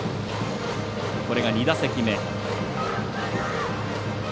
これが２打席目。